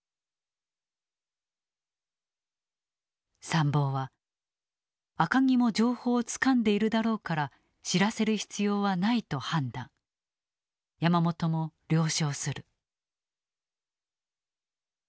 参謀は赤城も情報をつかんでいるだろうから知らせる必要はないと判断山本も了承する。